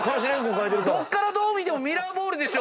どっからどう見てもミラーボールでしょ！